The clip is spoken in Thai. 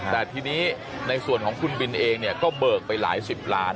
แต่ทีนี้ในส่วนของคุณบินเองเนี่ยก็เบิกไปหลายสิบล้าน